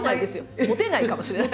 「モテない」かもしれない。